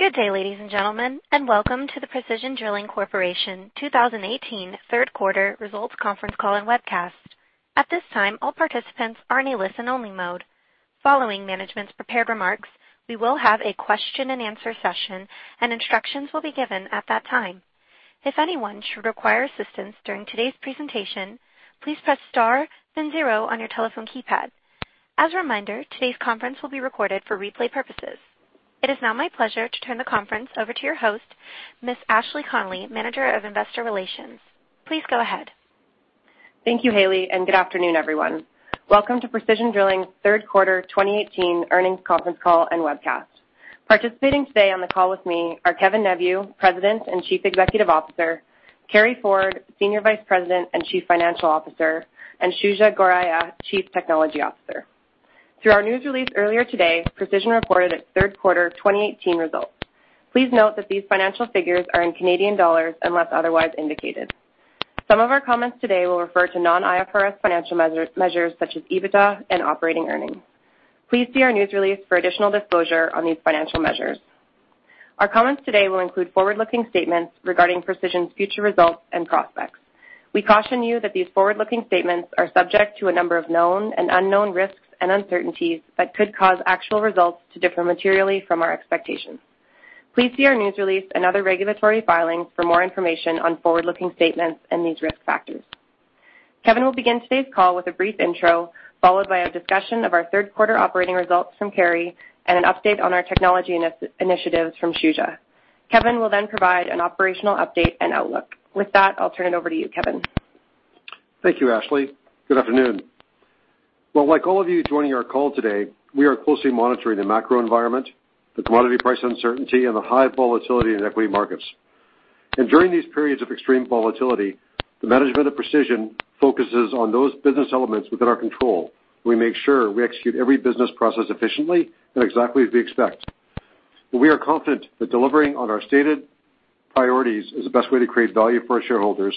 Good day, ladies and gentlemen, and welcome to the Precision Drilling Corporation 2018 third quarter results conference call and webcast. At this time, all participants are in a listen only mode. Following management's prepared remarks, we will have a question and answer session, and instructions will be given at that time. If anyone should require assistance during today's presentation, please press star then zero on your telephone keypad. As a reminder, today's conference will be recorded for replay purposes. It is now my pleasure to turn the conference over to your host, Ms. Ashley Connolly, Manager of Investor Relations. Please go ahead. Thank you, Haley, and good afternoon, everyone. Welcome to Precision Drilling's third quarter 2018 earnings conference call and webcast. Participating today on the call with me are Kevin Neveu, President and Chief Executive Officer, Carey Ford, Senior Vice President and Chief Financial Officer, and Shuja Goraya, Chief Technology Officer. Through our news release earlier today, Precision reported its third quarter 2018 results. Please note that these financial figures are in Canadian dollars unless otherwise indicated. Some of our comments today will refer to non-IFRS financial measures such as EBITDA and operating earnings. Please see our news release for additional disclosure on these financial measures. Our comments today will include forward-looking statements regarding Precision's future results and prospects. We caution you that these forward-looking statements are subject to a number of known and unknown risks and uncertainties that could cause actual results to differ materially from our expectations. Please see our news release and other regulatory filings for more information on forward-looking statements and these risk factors. Kevin will begin today's call with a brief intro, followed by a discussion of our third quarter operating results from Carey, and an update on our technology initiatives from Shuja. Kevin will then provide an operational update and outlook. With that, I'll turn it over to you, Kevin. Thank you, Ashley. Good afternoon. Well, like all of you joining our call today, we are closely monitoring the macro environment, the commodity price uncertainty, and the high volatility in equity markets. During these periods of extreme volatility, the management of Precision focuses on those business elements within our control. We make sure we execute every business process efficiently and exactly as we expect. We are confident that delivering on our stated priorities is the best way to create value for our shareholders,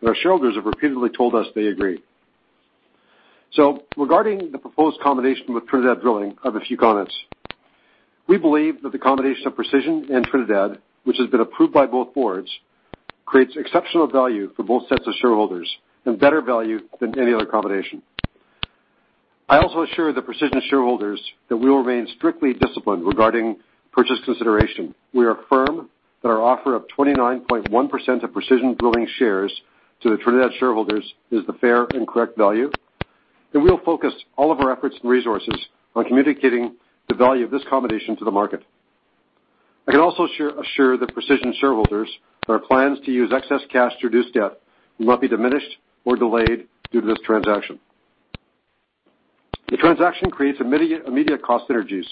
and our shareholders have repeatedly told us they agree. Regarding the proposed combination with Trinidad Drilling, I have a few comments. We believe that the combination of Precision and Trinidad, which has been approved by both boards, creates exceptional value for both sets of shareholders and better value than any other combination. I also assure the Precision Drilling shareholders that we will remain strictly disciplined regarding purchase consideration. We are firm that our offer of 29.1% of Precision Drilling shares to the Trinidad shareholders is the fair and correct value. We'll focus all of our efforts and resources on communicating the value of this combination to the market. I can also assure the Precision Drilling shareholders that our plans to use excess cash to reduce debt will not be diminished or delayed due to this transaction. The transaction creates immediate cost synergies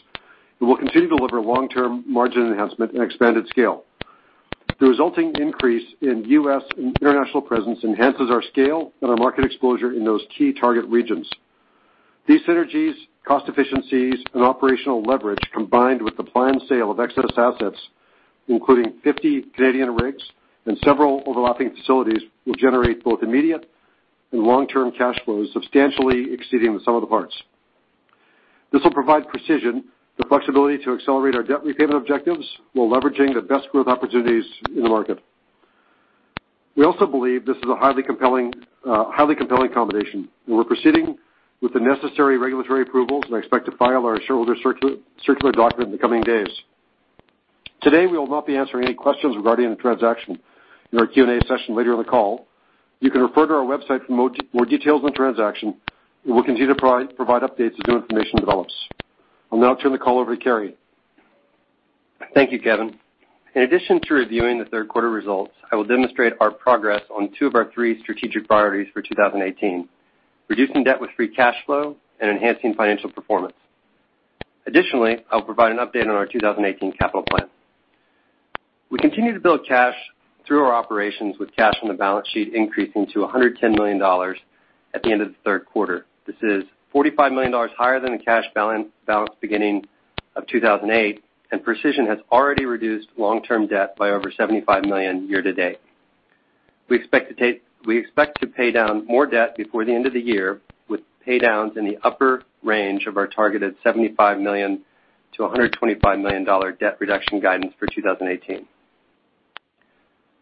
and will continue to deliver long-term margin enhancement and expanded scale. The resulting increase in U.S. and international presence enhances our scale and our market exposure in those key target regions. These synergies, cost efficiencies, operational leverage, combined with the planned sale of excess assets, including 50 Canadian rigs and several overlapping facilities, will generate both immediate and long-term cash flows substantially exceeding the sum of the parts. This will provide Precision Drilling the flexibility to accelerate our debt repayment objectives while leveraging the best growth opportunities in the market. We also believe this is a highly compelling combination. We're proceeding with the necessary regulatory approvals, and expect to file our shareholders' circular document in the coming days. Today, we will not be answering any questions regarding the transaction in our Q&A session later in the call. You can refer to our website for more details on the transaction. We will continue to provide updates as new information develops. I'll now turn the call over to Carey. Thank you, Kevin. In addition to reviewing the Q3 results, I will demonstrate our progress on two of our three strategic priorities for 2018: reducing debt with free cash flow and enhancing financial performance. Additionally, I'll provide an update on our 2018 capital plan. We continue to build cash through our operations with cash on the balance sheet increasing to 110 million dollars at the end of Q3. This is 45 million dollars higher than the cash balance beginning of 2008. Precision Drilling has already reduced long-term debt by over 75 million year to date. We expect to pay down more debt before the end of the year, with pay downs in the upper range of our targeted 75 million-125 million dollar debt reduction guidance for 2018.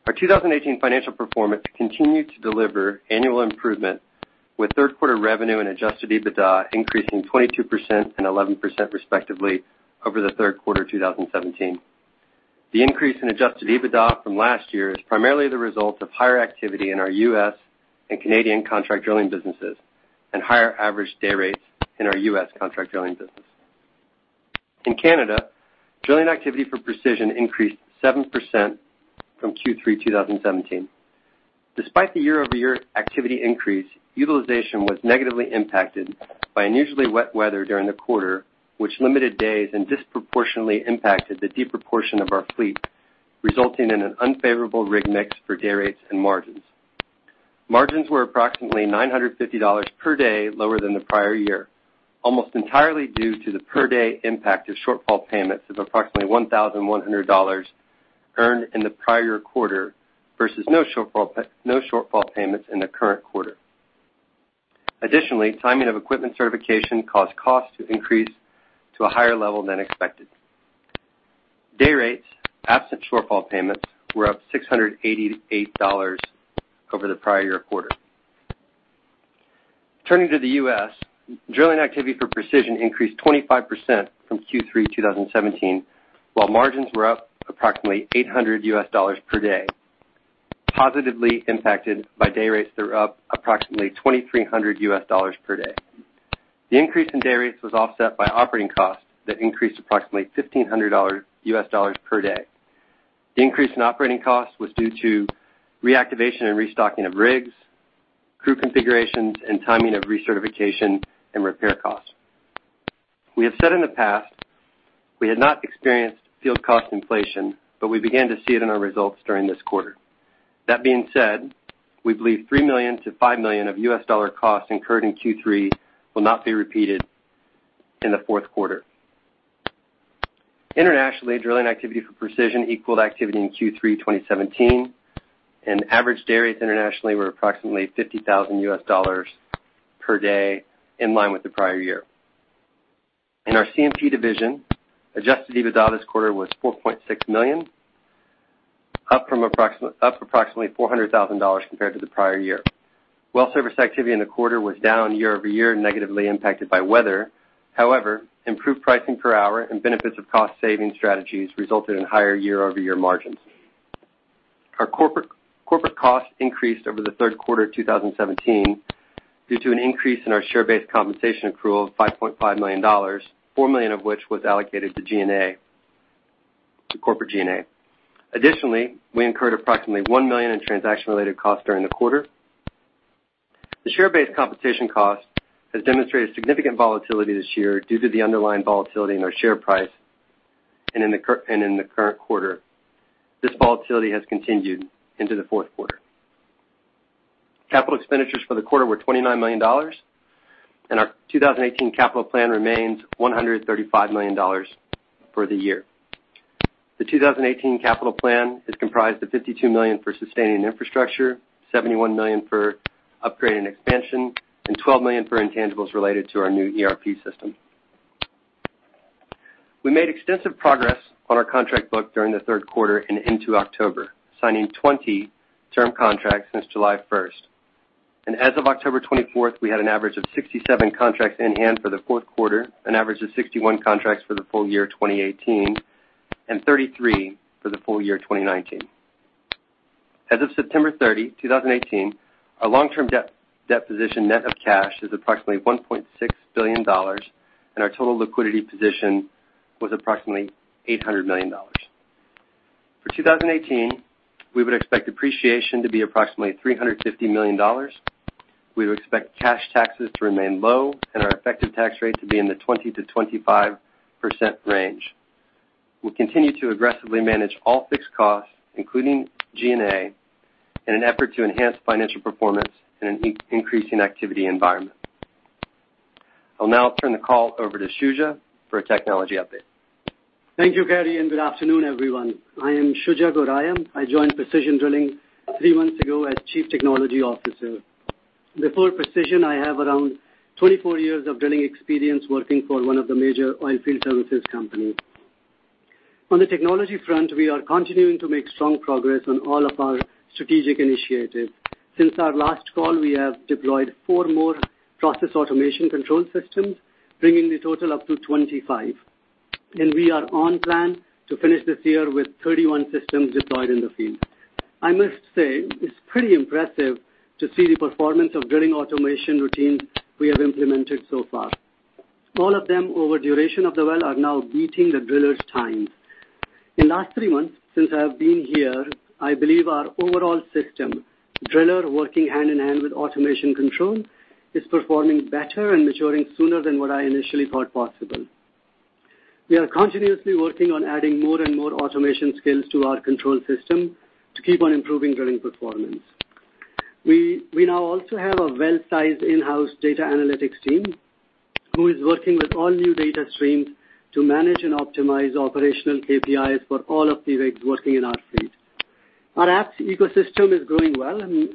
Our 2018 financial performance continued to deliver annual improvement with Q3 revenue and adjusted EBITDA increasing 22% and 11% respectively over Q3 2017. The increase in adjusted EBITDA from last year is primarily the result of higher activity in our U.S. and Canadian contract drilling businesses and higher average day rates in our U.S. contract drilling business. In Canada, drilling activity for Precision Drilling increased 7% from Q3 2017. Despite the year-over-year activity increase, utilization was negatively impacted by unusually wet weather during the quarter, which limited days and disproportionately impacted the deeper portion of our fleet, resulting in an unfavorable rig mix for day rates and margins. Margins were approximately 950 dollars per day lower than the prior year, almost entirely due to the per-day impact of shortfall payments of approximately 1,100 dollars earned in the prior quarter versus no shortfall payments in the current quarter. Timing of equipment certification caused costs to increase to a higher level than expected. Day rates, absent shortfall payments, were up 688 dollars over the prior year quarter. Turning to the U.S., drilling activity for Precision increased 25% from Q3 2017, while margins were up approximately $800 per day, positively impacted by day rates that are up approximately $2,300 per day. The increase in day rates was offset by operating costs that increased approximately $1,500 per day. The increase in operating costs was due to reactivation and restocking of rigs, crew configurations, and timing of recertification and repair costs. We have said in the past, we had not experienced field cost inflation, but we began to see it in our results during this quarter. That being said, we believe $3 million-$5 million of U.S. dollar costs incurred in Q3 will not be repeated in the fourth quarter. Internationally, drilling activity for Precision equaled activity in Q3 2017, and average day rates internationally were approximately $50,000 per day, in line with the prior year. In our C&P division, adjusted EBITDA this quarter was 4.6 million, up approximately 400,000 dollars compared to the prior year. Well service activity in the quarter was down year-over-year, negatively impacted by weather. Improved pricing per hour and benefits of cost saving strategies resulted in higher year-over-year margins. Our corporate costs increased over the third quarter 2017 due to an increase in our share-based compensation accrual of 5.5 million dollars, 4 million of which was allocated to G&A, to corporate G&A. We incurred approximately 1 million in transaction-related costs during the quarter. The share-based compensation cost has demonstrated significant volatility this year due to the underlying volatility in our share price and in the current quarter. This volatility has continued into the fourth quarter. Capital expenditures for the quarter were 29 million dollars, and our 2018 capital plan remains 135 million dollars for the year. The 2018 capital plan is comprised of 52 million for sustaining infrastructure, 71 million for upgrade and expansion, and 12 million for intangibles related to our new ERP system. We made extensive progress on our contract book during the third quarter and into October, signing 20 term contracts since July 1st. As of October 24th, we had an average of 67 contracts in hand for the fourth quarter, an average of 61 contracts for the full year 2018, and 33 for the full year 2019. As of September 30, 2018, our long-term debt position net of cash is approximately 1.6 billion dollars, and our total liquidity position was approximately 800 million dollars. For 2018, we would expect depreciation to be approximately 350 million dollars. We would expect cash taxes to remain low and our effective tax rate to be in the 20%-25% range. We'll continue to aggressively manage all fixed costs, including G&A, in an effort to enhance financial performance in an increasing activity environment. I'll now turn the call over to Shuja for a technology update. Thank you, Carey. Good afternoon, everyone. I am Shuja Goraya. I joined Precision Drilling three months ago as Chief Technology Officer. Before Precision, I have around 24 years of drilling experience working for one of the major oil field services company. On the technology front, we are continuing to make strong progress on all of our strategic initiatives. Since our last call, we have deployed four more process automation control systems, bringing the total up to 25. We are on plan to finish this year with 31 systems deployed in the field. I must say, it's pretty impressive to see the performance of drilling automation routines we have implemented so far. All of them over duration of the well are now beating the driller's time. In last three months since I've been here, I believe our overall system, driller working hand in hand with automation control, is performing better and maturing sooner than what I initially thought possible. We are continuously working on adding more and more automation skills to our control system to keep on improving drilling performance. We now also have a well-sized in-house data analytics team who is working with all new data streams to manage and optimize operational KPIs for all of the rigs working in our fleet. Our apps ecosystem is growing well and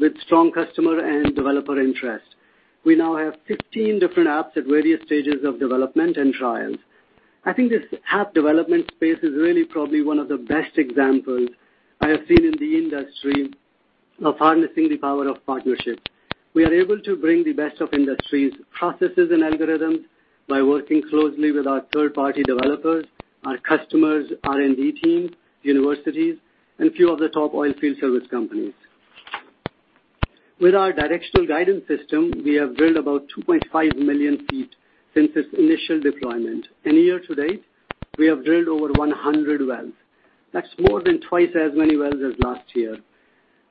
with strong customer and developer interest. We now have 15 different apps at various stages of development and trials. I think this app development space is really probably one of the best examples I have seen in the industry of harnessing the power of partnership. We are able to bring the best of industry's processes and algorithms by working closely with our third party developers, our customers, R&D teams, universities, and few of the top oil field service companies. With our directional guidance system, we have drilled about 2.5 million feet since its initial deployment. In a year to date, we have drilled over 100 wells. That's more than twice as many wells as last year.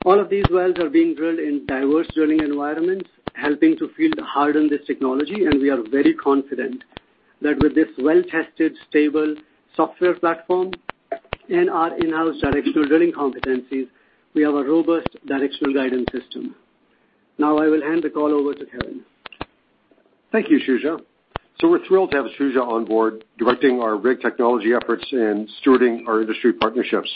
All of these wells are being drilled in diverse drilling environments, helping to field harden this technology, and we are very confident that with this well-tested, stable software platform and our in-house directional drilling competencies, we have a robust directional guidance system. I will hand the call over to Kevin. Thank you, Shuja. We're thrilled to have Shuja on board directing our rig technology efforts and stewarding our industry partnerships.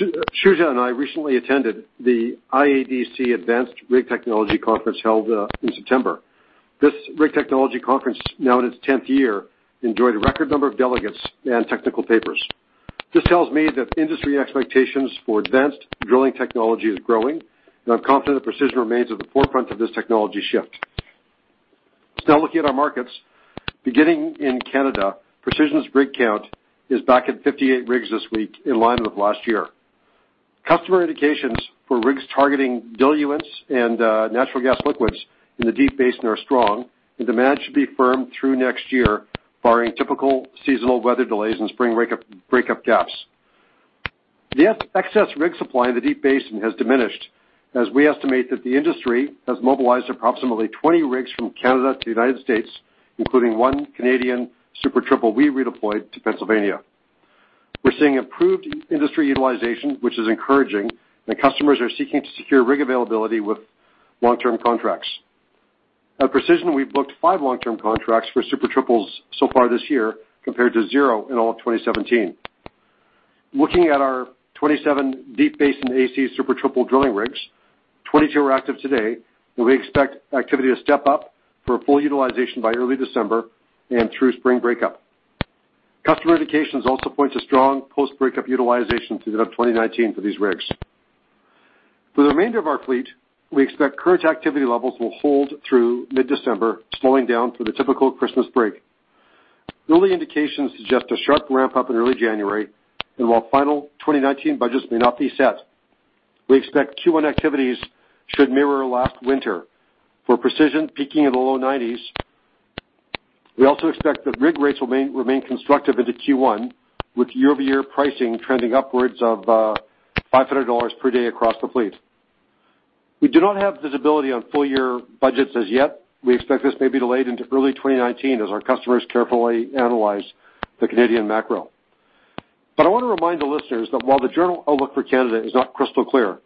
Shuja and I recently attended the IADC Advanced Rig Technology Conference held in September. This rig technology conference, now in its 10th year, enjoyed a record number of delegates and technical papers. This tells me that industry expectations for advanced drilling technology is growing, and I'm confident that Precision remains at the forefront of this technology shift. Looking at our markets. Beginning in Canada, Precision's rig count is back at 58 rigs this week, in line with last year. Customer indications for rigs targeting diluents and natural gas liquids in the deep basin are strong, and demand should be firm through next year, barring typical seasonal weather delays and spring break-up gaps. The excess rig supply in the deep basin has diminished as we estimate that the industry has mobilized approximately 20 rigs from Canada to the U.S., including one Canadian Super Triple we redeployed to Pennsylvania. We're seeing improved industry utilization, which is encouraging, and customers are seeking to secure rig availability with long-term contracts. At Precision, we've booked five long-term contracts for Super Triples so far this year, compared to zero in all of 2017. Looking at our 27 deep basin AC Super Triple drilling rigs, 22 are active today, and we expect activity to step up for a full utilization by early December and through spring break-up. Customer indications also point to strong post-breakup utilization through the end of 2019 for these rigs. For the remainder of our fleet, we expect current activity levels will hold through mid-December, slowing down through the typical Christmas break. Early indications suggest a sharp ramp-up in early January. While final 2019 budgets may not be set, we expect Q1 activities should mirror last winter. For Precision, peaking in the low 90s, we also expect that rig rates will remain constructive into Q1, with year-over-year pricing trending upwards of 500 dollars per day across the fleet. We do not have visibility on full year budgets as yet. We expect this may be delayed into early 2019 as our customers carefully analyze the Canadian macro. I want to remind the listeners that while the general outlook for Canada is not crystal clear,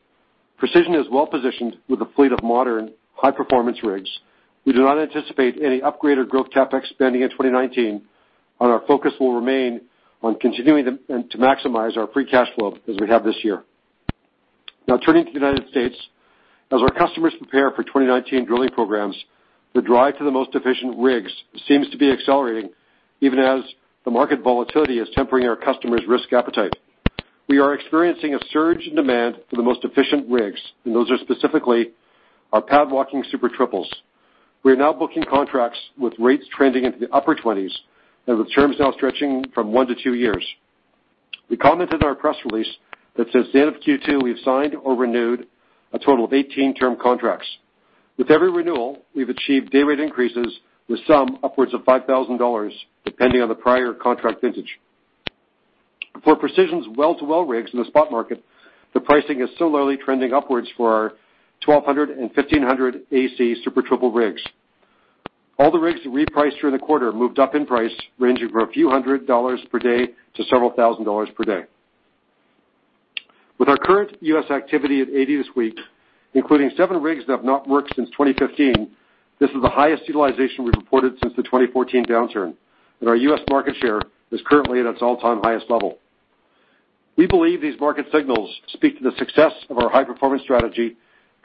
Precision is well-positioned with a fleet of modern, high-performance rigs. We do not anticipate any upgraded growth CapEx spending in 2019, and our focus will remain on continuing to maximize our free cash flow as we have this year. Turning to the U.S. As our customers prepare for 2019 drilling programs, the drive to the most efficient rigs seems to be accelerating, even as the market volatility is tempering our customers' risk appetite. We are experiencing a surge in demand for the most efficient rigs, and those are specifically our pad walking Super Triples. We are now booking contracts with rates trending into the upper 20s and with terms now stretching from one to two years. We commented in our press release that since the end of Q2, we have signed or renewed a total of 18 term contracts. With every renewal, we've achieved day rate increases with some upwards of 5,000 dollars, depending on the prior contract vintage. For Precision's well-to-well rigs in the spot market, the pricing is similarly trending upwards for our 1,200 and 1,500 AC Super Triple rigs. All the rigs we priced during the quarter moved up in price, ranging from a few hundred CAD per day to several thousand CAD per day. With our current U.S. activity at 80 this week, including seven rigs that have not worked since 2015, this is the highest utilization we've reported since the 2014 downturn, and our U.S. market share is currently at its all-time highest level. We believe these market signals speak to the success of our high-performance strategy,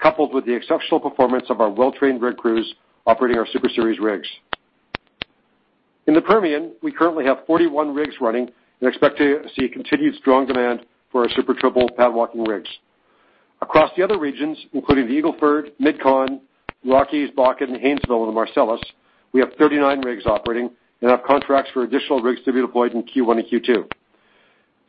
coupled with the exceptional performance of our well-trained rig crews operating our Super Series rigs. In the Permian, we currently have 41 rigs running and expect to see continued strong demand for our Super Triple pad walking rigs. Across the other regions, including the Eagle Ford, MidCon, Rockies, Bakken, Haynesville, and the Marcellus, we have 39 rigs operating and have contracts for additional rigs to be deployed in Q1 and Q2.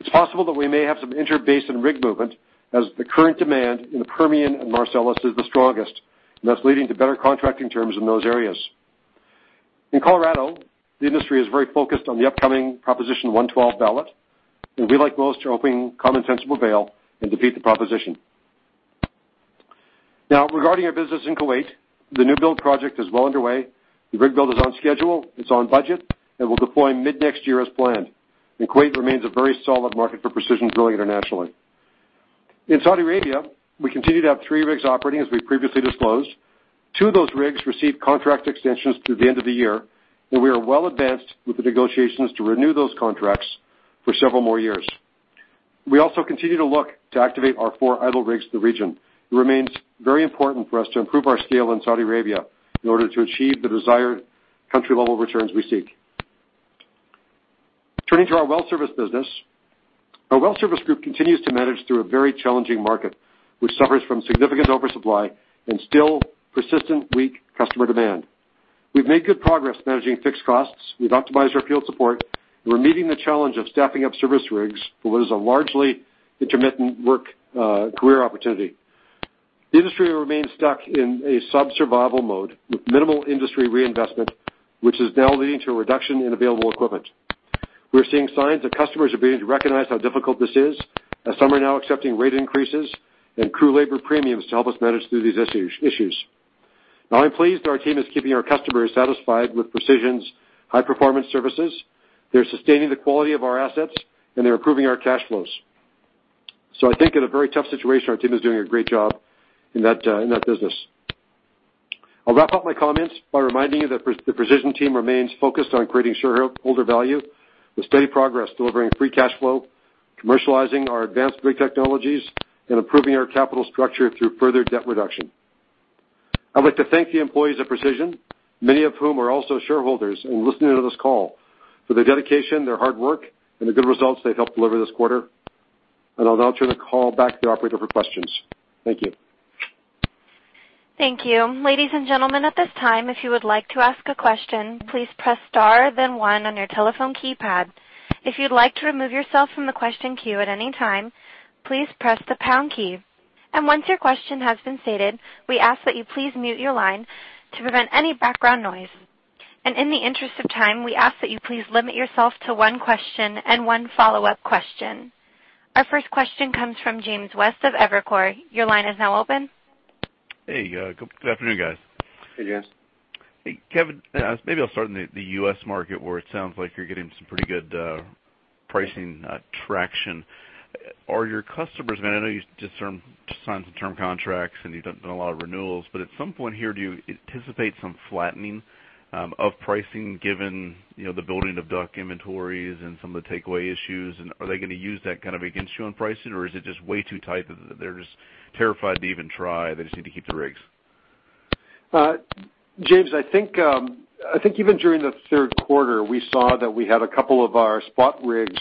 It's possible that we may have some inter-basin rig movement as the current demand in the Permian and Marcellus is the strongest, and that's leading to better contracting terms in those areas. In Colorado, the industry is very focused on the upcoming Proposition 112 ballot, and we, like most, are hoping common sense will prevail and defeat the proposition. Regarding our business in Kuwait, the new build project is well underway. The rig build is on schedule, it's on budget, and will deploy mid-next year as planned. Kuwait remains a very solid market for Precision Drilling internationally. In Saudi Arabia, we continue to have three rigs operating, as we previously disclosed. Two of those rigs received contract extensions through the end of the year, and we are well advanced with the negotiations to renew those contracts for several more years. We also continue to look to activate our four idle rigs in the region. It remains very important for us to improve our scale in Saudi Arabia in order to achieve the desired country level returns we seek. Turning to our well service business. Our well service group continues to manage through a very challenging market, which suffers from significant oversupply and still persistent weak customer demand. We've made good progress managing fixed costs. We've optimized our field support, and we're meeting the challenge of staffing up service rigs for what is a largely intermittent work career opportunity. The industry remains stuck in a sub-survival mode with minimal industry reinvestment, which is now leading to a reduction in available equipment. We're seeing signs that customers are beginning to recognize how difficult this is, as some are now accepting rate increases and crew labor premiums to help us manage through these issues. I'm pleased our team is keeping our customers satisfied with Precision's high-performance services. They're sustaining the quality of our assets, and they're improving our cash flows. I think in a very tough situation, our team is doing a great job in that business. I'll wrap up my comments by reminding you that the Precision team remains focused on creating shareholder value with steady progress delivering free cash flow, commercializing our advanced rig technologies, and improving our capital structure through further debt reduction. I'd like to thank the employees of Precision, many of whom are also shareholders and listening to this call, for their dedication, their hard work, and the good results they've helped deliver this quarter. I'll now turn the call back to the operator for questions. Thank you. Thank you. Ladies and gentlemen, at this time, if you would like to ask a question, please press star then one on your telephone keypad. If you'd like to remove yourself from the question queue at any time, please press the pound key. Once your question has been stated, we ask that you please mute your line to prevent any background noise. In the interest of time, we ask that you please limit yourself to one question and one follow-up question. Our first question comes from James West of Evercore. Your line is now open. Hey, good afternoon, guys. Hey, James. Hey, Kevin. Maybe I'll start in the U.S. market, where it sounds like you're getting some pretty good pricing traction. Are your customers, and I know you just signed some term contracts, and you've done a lot of renewals, but at some point here, do you anticipate some flattening of pricing given the building of DUC inventories and some of the takeaway issues? Are they going to use that kind of against you on pricing, or is it just way too tight that they're just terrified to even try, they just need to keep the rigs? James, I think even during the Third Quarter, we saw that we had a couple of our spot rigs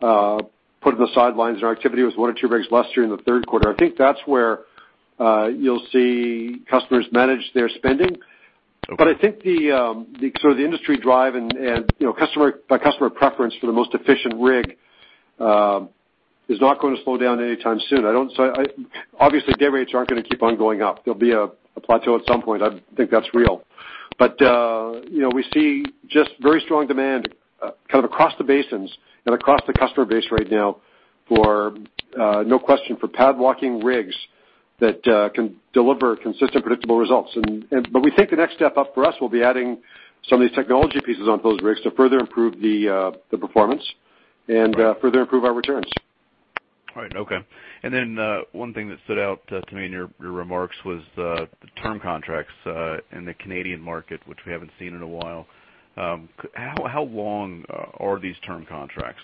put on the sidelines, and our activity was one or two rigs less during the Third Quarter. I think that's where you'll see customers manage their spending. Okay. I think the industry drive and by customer preference for the most efficient rig is not going to slow down anytime soon. Obviously, day rates aren't going to keep on going up. There'll be a plateau at some point. I think that's real. We see just very strong demand kind of across the basins and across the customer base right now for no question for pad walking rigs that can deliver consistent, predictable results. We think the next step up for us will be adding some of these technology pieces onto those rigs to further improve the performance and further improve our returns. All right. Okay. One thing that stood out to me in your remarks was the term contracts in the Canadian market, which we haven't seen in a while. How long are these term contracts?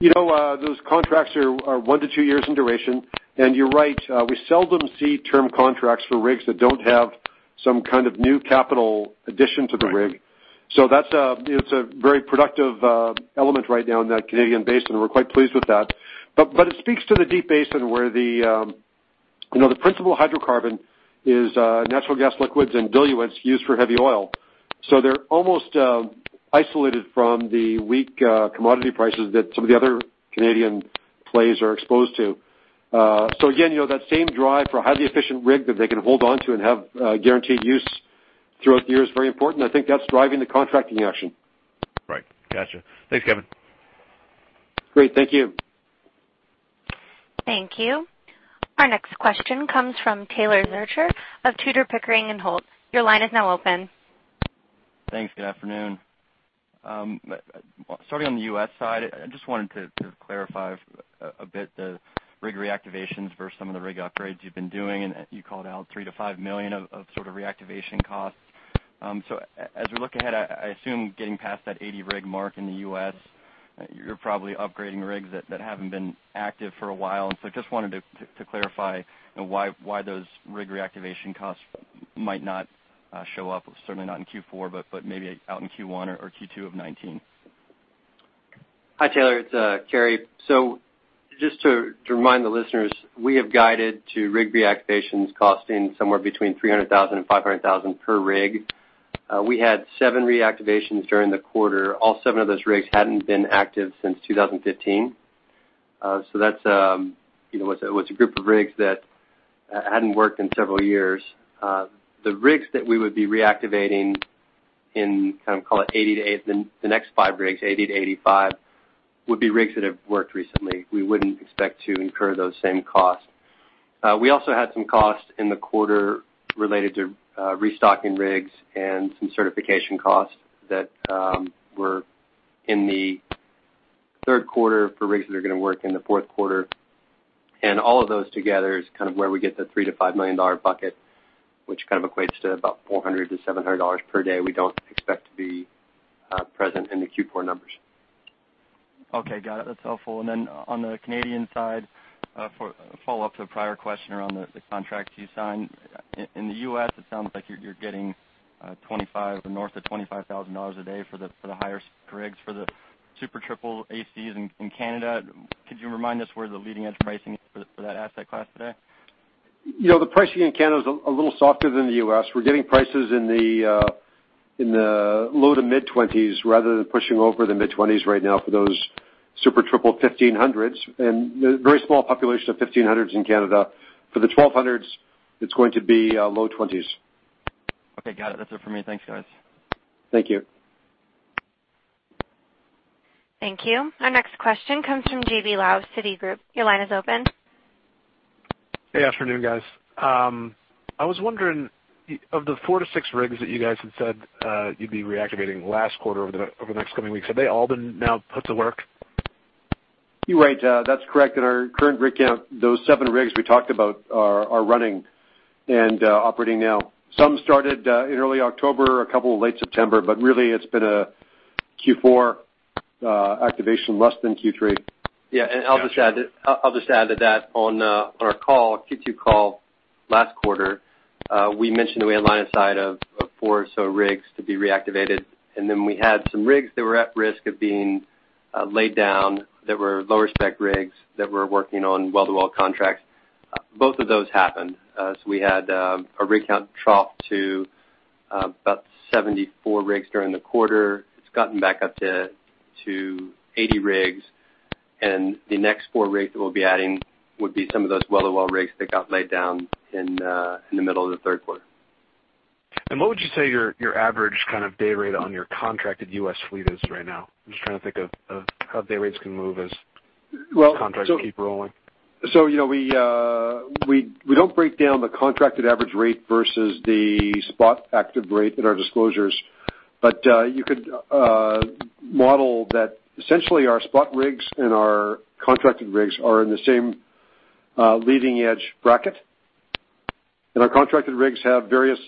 Those contracts are one to two years in duration. You're right, we seldom see term contracts for rigs that don't have some kind of new capital addition to the rig. Right. It's a very productive element right now in that Canadian basin, and we're quite pleased with that. It speaks to the deep basin where the principal hydrocarbon is natural gas liquids and diluents used for heavy oil. They're almost isolated from the weak commodity prices that some of the other Canadian plays are exposed to. Again, that same drive for a highly efficient rig that they can hold onto and have guaranteed use throughout the year is very important. I think that's driving the contracting action. Right. Got you. Thanks, Kevin. Great. Thank you. Thank you. Our next question comes from Taylor Murcher of Tudor, Pickering, and Holt. Your line is now open. Thanks. Good afternoon. Starting on the U.S. side, I just wanted to clarify a bit the rig reactivations versus some of the rig upgrades you've been doing. You called out 3 million-5 million of sort of reactivation costs. As we look ahead, I assume getting past that 80-rig mark in the U.S., you're probably upgrading rigs that haven't been active for a while. I just wanted to clarify why those rig reactivation costs might not show up, certainly not in Q4, but maybe out in Q1 or Q2 of 2019. Hi, Taylor. It's Carey. Just to remind the listeners, we have guided to rig reactivations costing somewhere between 300,000 and 500,000 per rig. We had seven reactivations during the quarter. All seven of those rigs hadn't been active since 2015. That's a group of rigs that hadn't worked in several years. The rigs that we would be reactivating in kind of, call it 80-85, would be rigs that have worked recently. We wouldn't expect to incur those same costs. We also had some costs in the quarter related to restocking rigs and some certification costs that were in the third quarter for rigs that are going to work in the fourth quarter. All of those together is kind of where we get the 3 million-5 million dollar bucket, which kind of equates to about 400-700 dollars per day we don't expect to be present in the Q4 numbers. Okay, got it. That's helpful. On the Canadian side, a follow-up to a prior question around the contracts you signed. In the U.S., it sounds like you're getting north of $25,000 a day for the higher rigs for the Super Triple ACs in Canada. Could you remind us where the leading-edge pricing is for that asset class today? The pricing in Canada is a little softer than the U.S. We're getting prices in the CAD low to mid-20s rather than pushing over the CAD mid-20s right now for those Super Triple 1500s, and very small population of 1500s in Canada. For the 1200s, it's going to be CAD low 20s. Okay, got it. That's it for me. Thanks, guys. Thank you. Thank you. Our next question comes from JB Lau of Citigroup. Your line is open. Hey, afternoon guys. I was wondering, of the four to six rigs that you guys had said you'd be reactivating last quarter over the next coming weeks, have they all been now put to work? You're right. That's correct. In our current rig count, those seven rigs we talked about are running and operating now. Some started in early October, a couple late September, but really it's been a Q4 activation, less than Q3. Yeah, I'll just add to that. On our Q2 call last quarter, we mentioned that we had line of sight of four or so rigs to be reactivated, and then we had some rigs that were at risk of being laid down that were lower spec rigs that were working on well-to-well contracts. Both of those happened. We had a rig count drop to about 74 rigs during the quarter. It's gotten back up to 80 rigs, the next four rigs that we'll be adding would be some of those well-to-well rigs that got laid down in the middle of the third quarter. What would you say your average day rate on your contracted U.S. fleet is right now? I'm just trying to think of how day rates can move as contracts keep rolling. We don't break down the contracted average rate versus the spot active rate in our disclosures. You could model that essentially our spot rigs and our contracted rigs are in the same leading edge bracket. Our contracted rigs have various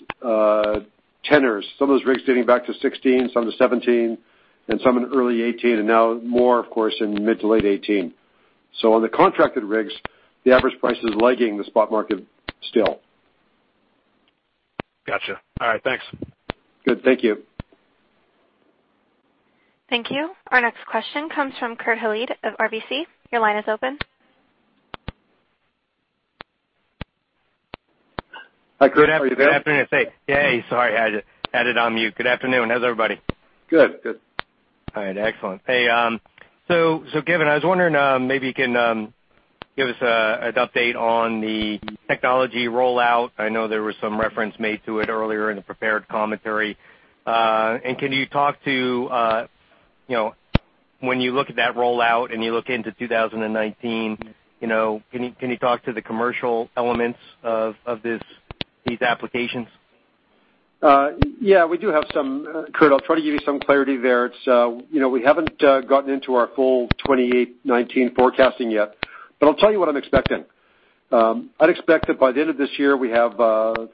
tenors, some of those rigs dating back to 2016, some to 2017, and some in early 2018, and now more of course in mid to late 2018. On the contracted rigs, the average price is lagging the spot market still. Got you. All right. Thanks. Good. Thank you. Thank you. Our next question comes from Kurt Hallead of RBC. Your line is open. Hi, Kurt. How are you doing? Good afternoon. Hey, sorry, I had it on mute. Good afternoon. How's everybody? Good. All right, excellent. Hey, Kevin, I was wondering maybe you can give us an update on the technology rollout. I know there was some reference made to it earlier in the prepared commentary. When you look at that rollout and you look into 2019, can you talk to the commercial elements of these applications? Yeah, we do have some, Kurt. I'll try to give you some clarity there. We haven't gotten into our full 2019 forecasting yet, but I'll tell you what I'm expecting. I'd expect that by the end of this year, we have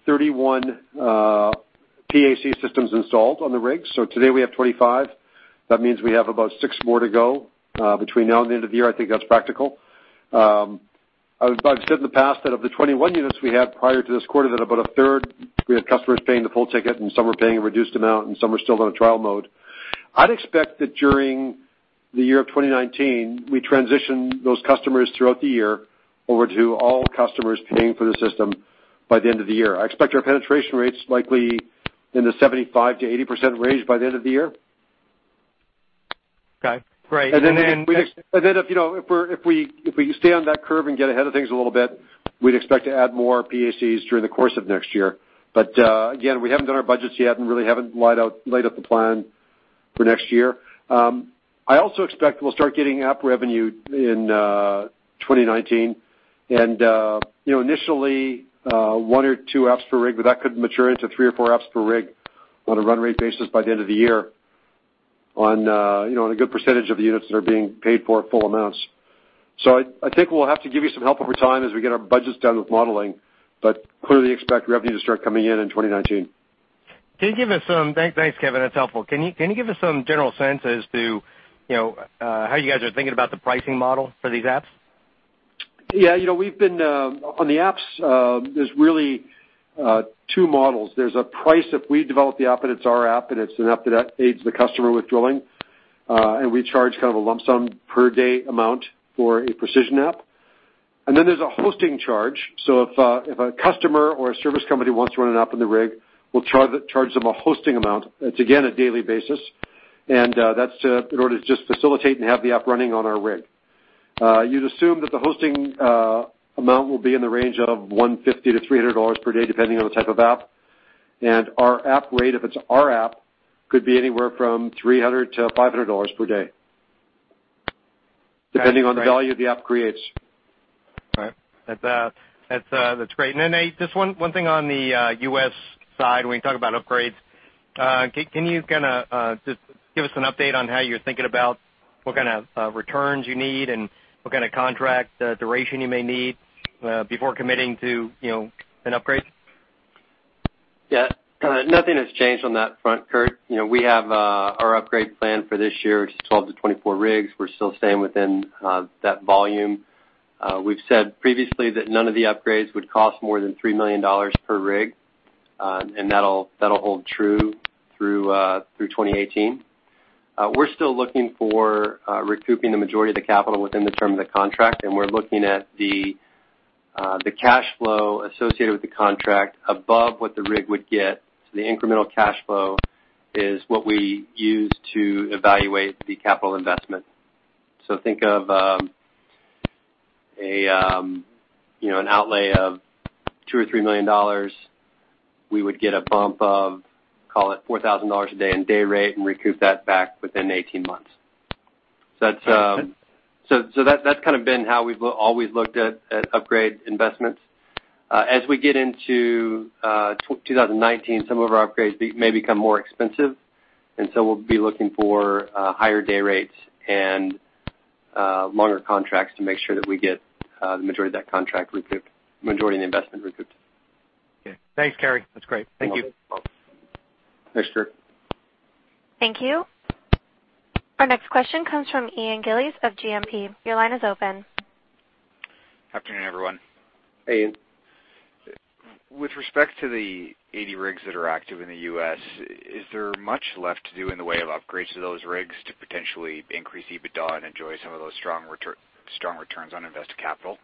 31 PAC systems installed on the rigs. Today we have 25. That means we have about six more to go between now and the end of the year. I think that's practical. I've said in the past that of the 21 units we had prior to this quarter, that about a third, we had customers paying the full ticket, and some were paying a reduced amount, and some are still on a trial mode. I'd expect that during the year of 2019, we transition those customers throughout the year over to all customers paying for the system by the end of the year. I expect our penetration rates likely in the 75% to 80% range by the end of the year. Okay, great. If we stay on that curve and get ahead of things a little bit, we'd expect to add more PACs during the course of next year. Again, we haven't done our budgets yet and really haven't laid out the plan for next year. I also expect we'll start getting app revenue in 2019 and, initially, one or two apps per rig, but that could mature into three or four apps per rig on a run rate basis by the end of the year on a good percentage of the units that are being paid for at full amounts. I think we'll have to give you some help over time as we get our budgets done with modeling, but clearly expect revenue to start coming in in 2019. Thanks, Kevin. That's helpful. Can you give us some general sense as to how you guys are thinking about the pricing model for these apps? Yeah. On the apps, there's really two models. There's a price if we develop the app, and it's our app, and it's an app that aids the customer with drilling. We charge kind of a lump sum per day amount for a Precision app. Then there's a hosting charge. If a customer or a service company wants to run an app on the rig, we'll charge them a hosting amount. It's, again, a daily basis, and that's in order to just facilitate and have the app running on our rig. You'd assume that the hosting amount will be in the range of 150-300 dollars per day, depending on the type of app. Our app rate, if it's our app, could be anywhere from 300-500 dollars per day, depending on the value the app creates. All right. That's great. And then just one thing on the U.S. side when you talk about upgrades. Can you kind of just give us an update on how you're thinking about what kind of returns you need and what kind of contract duration you may need before committing to an upgrade? Yeah. Nothing has changed on that front, Kurt. We have our upgrade plan for this year, which is 12-24 rigs. We're still staying within that volume. We've said previously that none of the upgrades would cost more than 3 million dollars per rig. That'll hold true through 2018. We're still looking for recouping the majority of the capital within the term of the contract, and we're looking at the cash flow associated with the contract above what the rig would get. The incremental cash flow is what we use to evaluate the capital investment. Think of an outlay of 2 million or 3 million dollars. We would get a bump of, call it 4,000 dollars a day in day rate and recoup that back within 18 months. That's kind of been how we've always looked at upgrade investments. As we get into 2019, some of our upgrades may become more expensive. So we'll be looking for higher day rates and longer contracts to make sure that we get the majority of that contract recouped, majority of the investment recouped. Okay. Thanks, Carey. That's great. Thank you. You're welcome. Thanks, Kurt. Thank you. Our next question comes from Ian Gillies of GMP. Your line is open. Afternoon, everyone. Hey, Ian. With respect to the 80 rigs that are active in the U.S., is there much left to do in the way of upgrades to those rigs to potentially increase EBITDA and enjoy some of those strong returns on invested capital?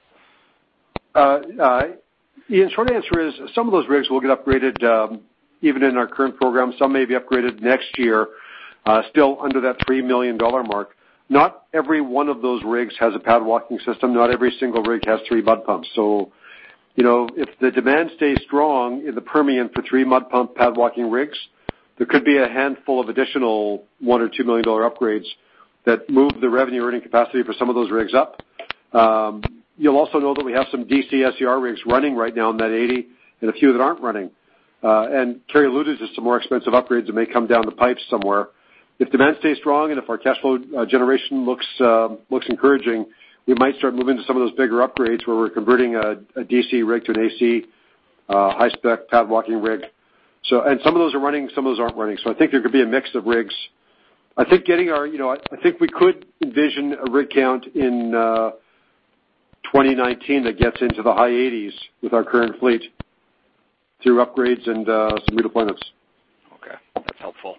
Ian, short answer is some of those rigs will get upgraded, even in our current program. Some may be upgraded next year, still under that 3 million dollar mark. Not every one of those rigs has a pad walking system. Not every single rig has three mud pumps. If the demand stays strong in the Permian for three mud pump pad walking rigs, there could be a handful of additional 1 million or 2 million dollar upgrades that move the revenue-earning capacity for some of those rigs up. You'll also know that we have some DC SCR rigs running right now in that 80 and a few that aren't running. Carey alluded to some more expensive upgrades that may come down the pipe somewhere. If demand stays strong, and if our cash flow generation looks encouraging, we might start moving to some of those bigger upgrades where we're converting a DC rig to an AC high-spec pad walking rig. Some of those are running, some of those aren't running. I think there could be a mix of rigs. I think we could envision a rig count in 2019 that gets into the high 80s with our current fleet through upgrades and some redeployments. Okay. That's helpful.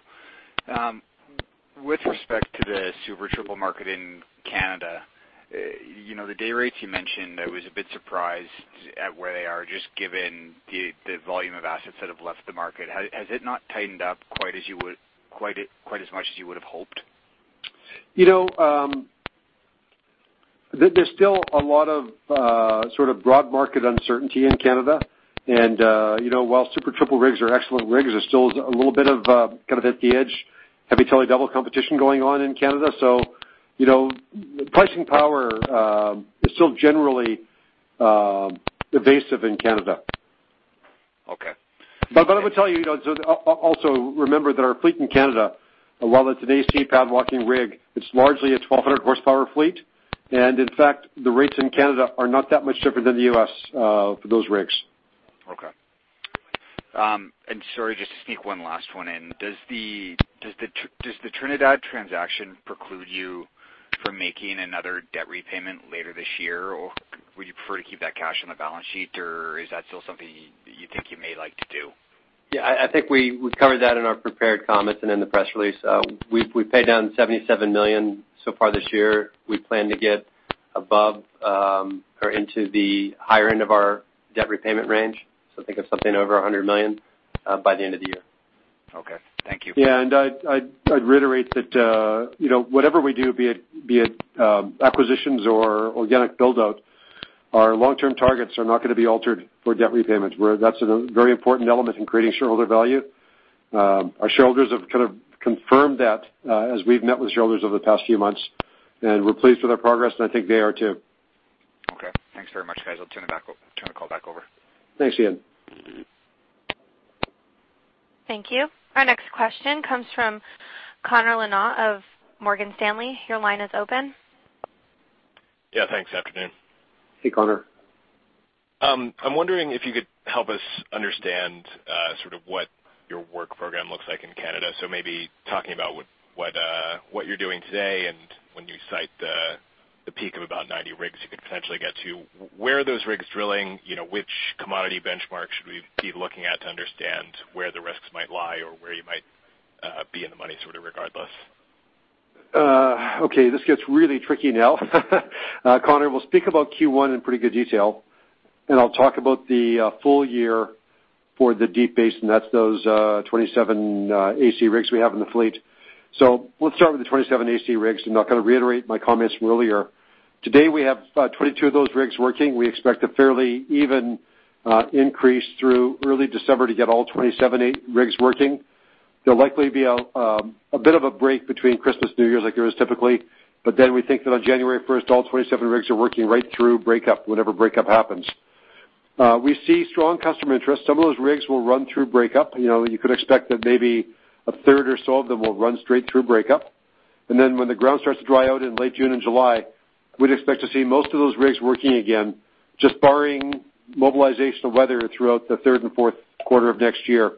With respect to the Super Triple market in Canada, the day rates you mentioned, I was a bit surprised at where they are, just given the volume of assets that have left the market. Has it not tightened up quite as much as you would've hoped? There's still a lot of sort of broad market uncertainty in Canada. While Super Triple rigs are excellent rigs, there's still a little bit of kind of at the edge, heavy telling double competition going on in Canada. Pricing power is still generally evasive in Canada. Okay. I would tell you, also remember that our fleet in Canada, while it's an AC pad walking rig, it's largely a 1,200 horsepower fleet. In fact, the rates in Canada are not that much different than the U.S. for those rigs. Okay. Sorry, just to sneak one last one in. Does the Trinidad transaction preclude you from making another debt repayment later this year, or would you prefer to keep that cash on the balance sheet, or is that still something you think you may like to do? Yeah, I think we covered that in our prepared comments and in the press release. We've paid down 77 million so far this year. We plan to get above or into the higher end of our debt repayment range. Think of something over 100 million by the end of the year. Okay. Thank you. I'd reiterate that whatever we do, be it acquisitions or organic build-out, our long-term targets are not gonna be altered for debt repayments, as that's a very important element in creating shareholder value. Our shareholders have kind of confirmed that as we've met with shareholders over the past few months, and we're pleased with our progress, and I think they are too. Okay. Thanks very much, guys. I'll turn the call back over. Thanks, Ian. Thank you. Our next question comes from Connor Lynagh of Morgan Stanley. Your line is open. Yeah. Thanks. Afternoon. Hey, Connor. I'm wondering if you could help us understand sort of what your work program looks like in Canada. Maybe talking about what you're doing today, and when you cite the peak of about 90 rigs you could potentially get to. Where are those rigs drilling? Which commodity benchmark should we be looking at to understand where the risks might lie or where you might be in the money sort of regardless? This gets really tricky now. Connor, we'll speak about Q1 in pretty good detail, and I'll talk about the full year for the deep basin. That's those 27 AC rigs we have in the fleet. Let's start with the 27 AC rigs, and I'll kind of reiterate my comments from earlier. Today, we have 22 of those rigs working. We expect a fairly even increase through early December to get all 27 rigs working. There'll likely be a bit of a break between Christmas, New Year's, like there is typically. We think that on January 1st, all 27 rigs are working right through breakup, whenever breakup happens. We see strong customer interest. Some of those rigs will run through breakup. You could expect that maybe a third or so of them will run straight through breakup. When the ground starts to dry out in late June and July, we'd expect to see most of those rigs working again, just barring mobilization of weather throughout the third and fourth quarter of next year.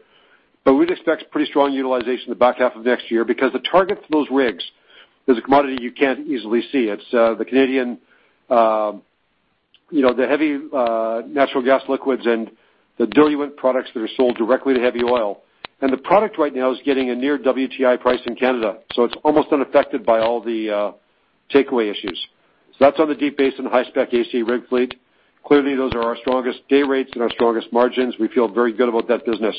We'd expect pretty strong utilization in the back half of next year because the target for those rigs is a commodity you cannot easily see. It's the Canadian heavy natural gas liquids and the diluent products that are sold directly to heavy oil. The product right now is getting a near WTI price in Canada, so it is almost unaffected by all the takeaway issues. That's on the deep basin, high-spec AC rig fleet. Clearly, those are our strongest day rates and our strongest margins. We feel very good about that business.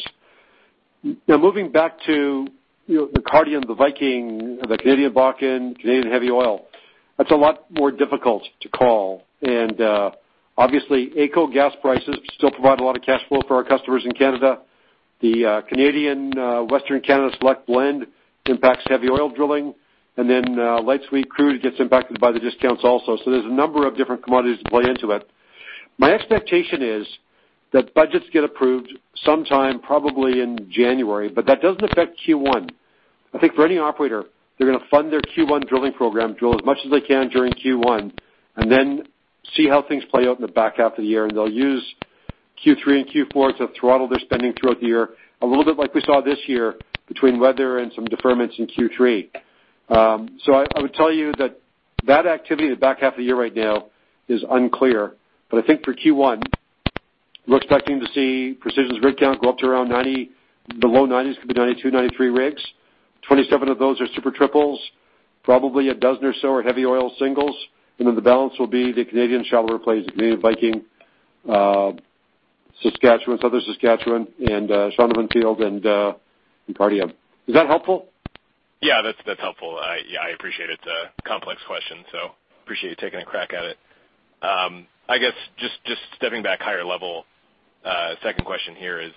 Moving back to the Cardium, the Viking, the Canadian Bakken, Canadian heavy oil, that's a lot more difficult to call. Obviously, AECO gas prices still provide a lot of cash flow for our customers in Canada. The Canadian Western Canada Select blend impacts heavy oil drilling, and then light sweet crude gets impacted by the discounts also. There's a number of different commodities that play into it. My expectation is that budgets get approved sometime probably in January, but that does not affect Q1. I think for any operator, they're going to fund their Q1 drilling program, drill as much as they can during Q1, and then see how things play out in the back half of the year. They'll use Q3 and Q4 to throttle their spending throughout the year, a little bit like we saw this year between weather and some deferments in Q3. I would tell you that activity in the back half of the year right now is unclear. I think for Q1, we're expecting to see Precision's rig count go up to around 90, the low 90s, could be 92, 93 rigs. 27 of those are Super Triples, probably a dozen or so are heavy oil singles, and then the balance will be the Canadian shallower plays, Canadian Viking, Southern Saskatchewan, and Shaunavon Formation and Cardium. Is that helpful? That's helpful. I appreciate it. It's a complex question, so appreciate you taking a crack at it. Just stepping back higher level, second question here is,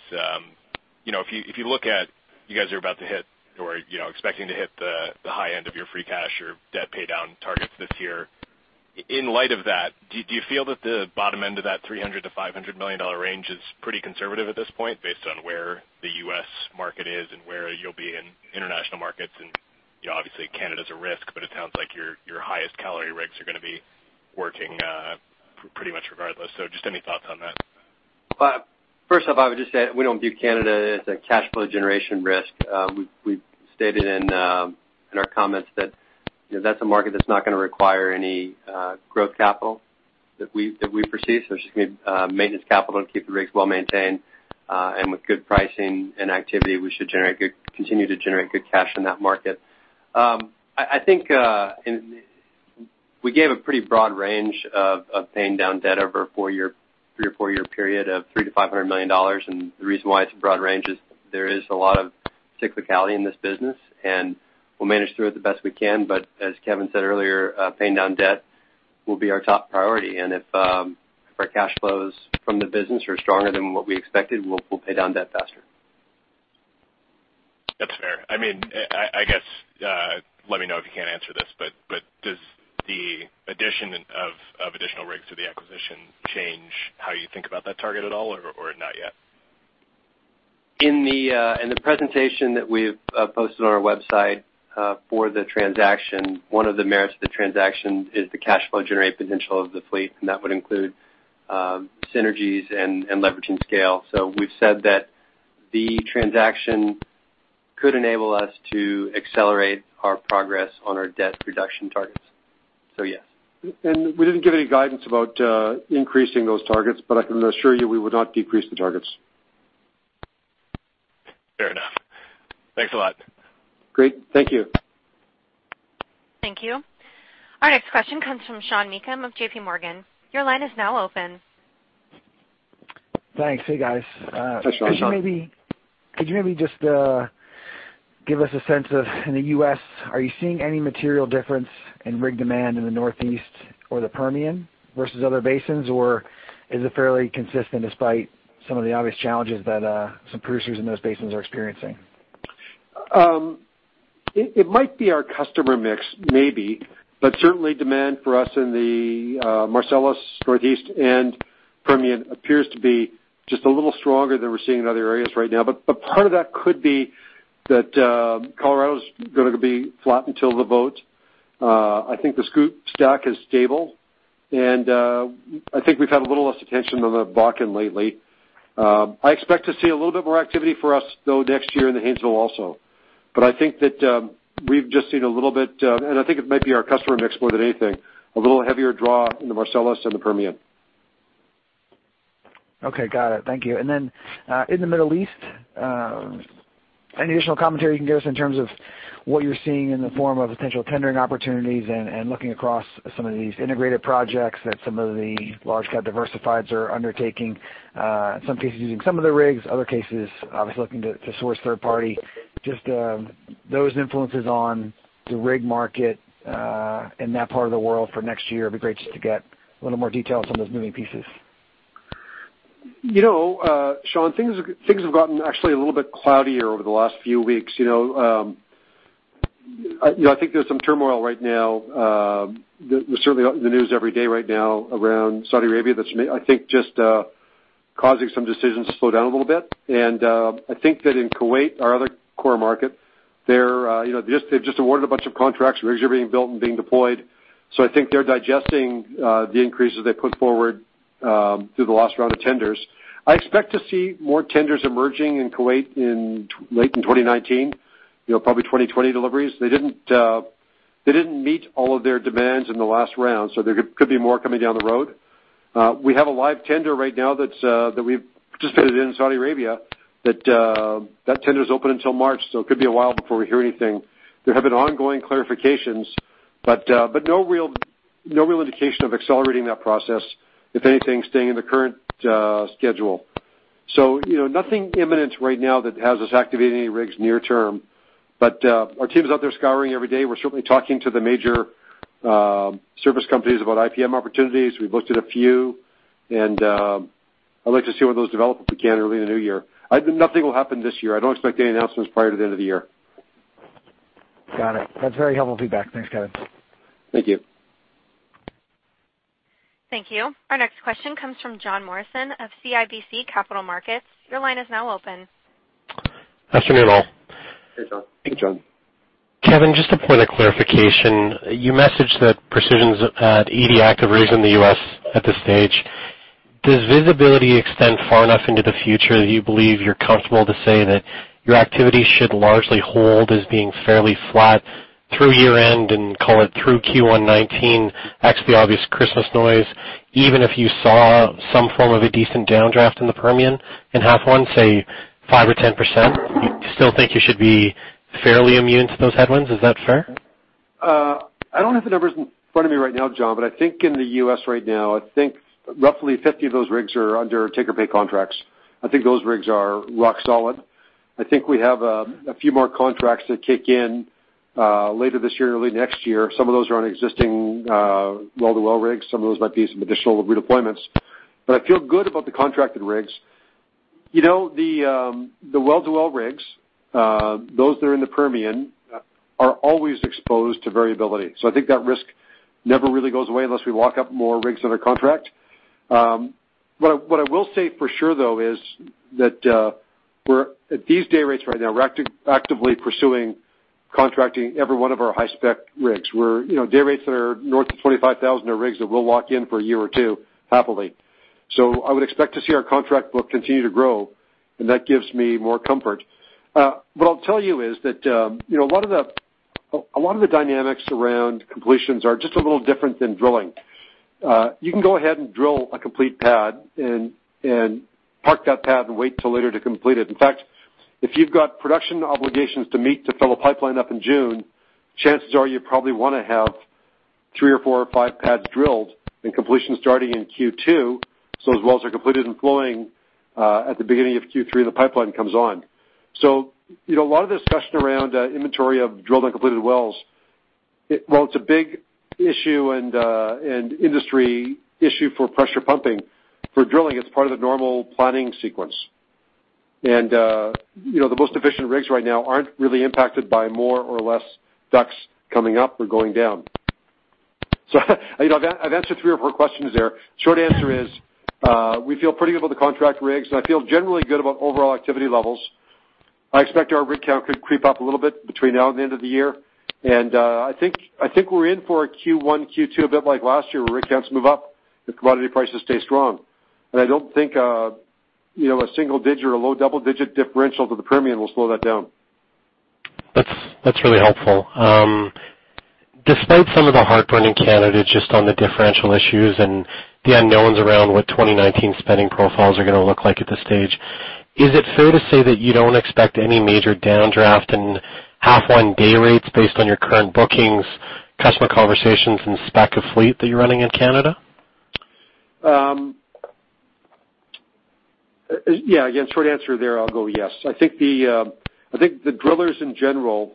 if you look at, you guys are about to hit or expecting to hit the high end of your free cash or debt paydown targets this year. In light of that, do you feel that the bottom end of that 300 million-500 million dollar range is pretty conservative at this point based on where the U.S. market is and where you'll be in international markets and, obviously Canada's a risk, but it sounds like your highest calorie rigs are going to be working pretty much regardless. Just any thoughts on that? First off, I would just say we don't view Canada as a cash flow generation risk. We've stated in our comments that's a market that's not going to require any growth capital that we foresee. It's just going to be maintenance capital to keep the rigs well-maintained. With good pricing and activity, we should continue to generate good cash in that market. I think we gave a pretty broad range of paying down debt over a three- or four-year period of 300 million-500 million dollars, the reason why it's a broad range is there is a lot of cyclicality in this business, we'll manage through it the best we can. As Kevin said earlier, paying down debt will be our top priority, if our cash flows from the business are stronger than what we expected, we'll pay down debt faster. That's fair. I guess, let me know if you can't answer this, does the addition of additional rigs through the acquisition change how you think about that target at all, or not yet? In the presentation that we've posted on our website for the transaction, one of the merits of the transaction is the cash flow generate potential of the fleet, that would include synergies and leveraging scale. We've said that the transaction could enable us to accelerate our progress on our debt reduction targets. Yes. We didn't give any guidance about increasing those targets, I can assure you we would not decrease the targets. Fair enough. Thanks a lot. Great. Thank you. Thank you. Our next question comes from Sean Mechem of JPMorgan. Your line is now open. Thanks. Hey, guys. Hey, Sean. Could you maybe just give us a sense of, in the U.S., are you seeing any material difference in rig demand in the Northeast or the Permian versus other basins, or is it fairly consistent despite some of the obvious challenges that some producers in those basins are experiencing? It might be our customer mix, maybe. Certainly demand for us in the Marcellus, Northeast, and Permian appears to be just a little stronger than we're seeing in other areas right now. Part of that could be that Colorado's going to be flat until the vote. I think the SCOOP stack is stable, and I think we've had a little less attention on the Bakken lately. I expect to see a little bit more activity for us, though, next year in the Haynesville also. I think that we've just seen a little bit, and I think it might be our customer mix more than anything, a little heavier draw in the Marcellus and the Permian. Okay. Got it. Thank you. In the Middle East, any additional commentary you can give us in terms of what you're seeing in the form of potential tendering opportunities and looking across some of these integrated projects that some of the large cap diversifies are undertaking, in some cases using some of the rigs, other cases obviously looking to source third party. Just those influences on the rig market in that part of the world for next year. It'd be great just to get a little more details on those moving pieces. Sean, things have gotten actually a little bit cloudier over the last few weeks. I think there's some turmoil right now. There's certainly the news every day right now around Saudi Arabia that's, I think, just causing some decisions to slow down a little bit. I think that in Kuwait, our other core market, they've just awarded a bunch of contracts. Rigs are being built and being deployed. I think they're digesting the increases they put forward through the last round of tenders. I expect to see more tenders emerging in Kuwait late in 2019, probably 2020 deliveries. They didn't meet all of their demands in the last round, so there could be more coming down the road. We have a live tender right now that we've participated in Saudi Arabia. That tender's open until March, so it could be a while before we hear anything. There have been ongoing clarifications, but no real indication of accelerating that process, if anything, staying in the current schedule. Nothing imminent right now that has us activating any rigs near term. Our team's out there scouring every day. We're certainly talking to the major service companies about IPM opportunities. We've looked at a few, and I'd like to see where those develop, if we can, early in the new year. Nothing will happen this year. I don't expect any announcements prior to the end of the year. Got it. That's very helpful feedback. Thanks, Kevin. Thank you. Thank you. Our next question comes from Jon Morrison of CIBC Capital Markets. Your line is now open. Afternoon, all. Hey, Jon. Thank you, Jon. Kevin, just a point of clarification. You messaged that Precision's at 80 active rigs in the U.S. at this stage. Does visibility extend far enough into the future that you believe you're comfortable to say that your activities should largely hold as being fairly flat through year-end and call it through Q1 2019, X the obvious Christmas noise, even if you saw some form of a decent downdraft in the Permian in half one, say 5% or 10%, you still think you should be fairly immune to those headwinds? Is that fair? I don't have the numbers in front of me right now, John, I think in the U.S. right now, I think roughly 50 of those rigs are under take-or-pay contracts. I think those rigs are rock solid. I think we have a few more contracts that kick in later this year, early next year. Some of those are on existing well-to-well rigs. Some of those might be some additional redeployments. I feel good about the contracted rigs. The well-to-well rigs, those that are in the Permian, are always exposed to variability. I think that risk never really goes away unless we lock up more rigs under contract. What I will say for sure, though, is that at these day rates right now, we're actively pursuing contracting every one of our high-spec rigs, where day rates that are north of 25,000 are rigs that we'll lock in for a year or two happily. I would expect to see our contract book continue to grow, and that gives me more comfort. What I'll tell you is that a lot of the dynamics around completions are just a little different than drilling. You can go ahead and drill a complete pad and park that pad and wait till later to complete it. In fact, if you've got production obligations to meet to fill a pipeline up in June, chances are you probably want to have three or four or five pads drilled and completion starting in Q2, those wells are completed and flowing at the beginning of Q3 the pipeline comes on. A lot of this discussion around inventory of drilled and completed wells, while it's a big issue and industry issue for pressure pumping, for drilling, it's part of the normal planning sequence. The most efficient rigs right now aren't really impacted by more or less DUCs coming up or going down. I've answered three or four questions there. Short answer is, we feel pretty good about the contract rigs, and I feel generally good about overall activity levels. I expect our rig count could creep up a little bit between now and the end of the year. I think we're in for a Q1, Q2, a bit like last year, where rig counts move up if commodity prices stay strong. I don't think a single-digit or a low double-digit differential to the Permian will slow that down. That's really helpful. Despite some of the heartburn in Canada, just on the differential issues and the unknowns around what 2019 spending profiles are gonna look like at this stage, is it fair to say that you don't expect any major downdraft in half one day rates based on your current bookings, customer conversations, and spec of fleet that you're running in Canada? Yeah. Again, short answer there, I'll go yes. I think the drillers in general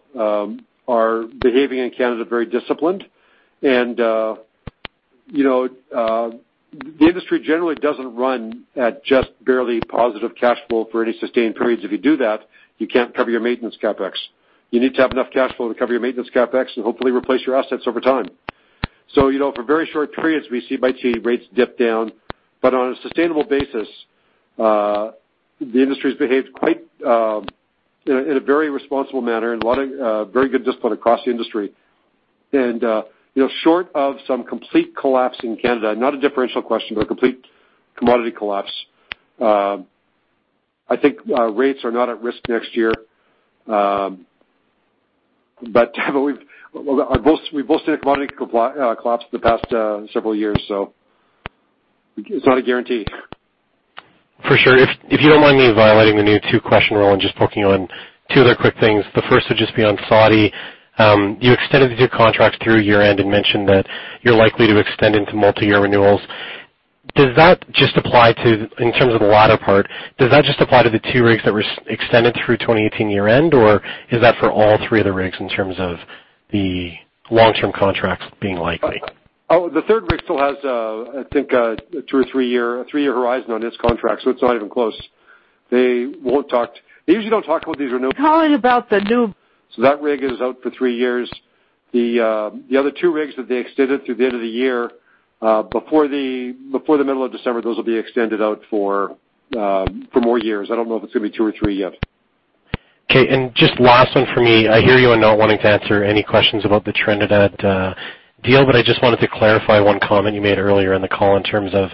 are behaving in Canada very disciplined. The industry generally doesn't run at just barely positive cash flow for any sustained periods. If you do that, you can't cover your maintenance CapEx. You need to have enough cash flow to cover your maintenance CapEx and hopefully replace your assets over time. For very short periods, we see day rates dip down, but on a sustainable basis, the industry's behaved in a very responsible manner and very good discipline across the industry. Short of some complete collapse in Canada, not a differential question, but a complete commodity collapse, I think rates are not at risk next year. But we've seen a commodity collapse the past several years, so it's not a guarantee. For sure. If you don't mind me violating the new two question rule and just poking on two other quick things. The first would just be on Saudi. You extended your contracts through year-end and mentioned that you're likely to extend into multi-year renewals. In terms of the latter part, does that just apply to the two rigs that were extended through 2018 year-end, or is that for all three of the rigs in terms of the long-term contracts being likely? Oh, the third rig still has, I think, a three-year horizon on its contract, so it's not even close. They usually don't talk about these renewals. Calling about the new That rig is out for three years. The other two rigs that they extended through the end of the year, before the middle of December, those will be extended out for more years. I don't know if it's gonna be two or three yet. Okay. Just last one for me. I hear you on not wanting to answer any questions about the Trinidad deal, but I just wanted to clarify one comment you made earlier in the call in terms of